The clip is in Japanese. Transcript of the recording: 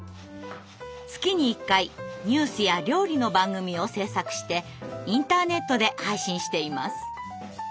月に１回ニュースや料理の番組を制作してインターネットで配信しています。